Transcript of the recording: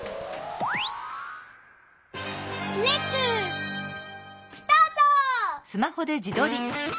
レッツスタート！